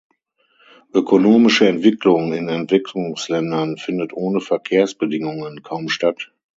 Ökonomische Entwicklung in Entwicklungsländern findet ohne Verkehrsverbindungen kaum statt.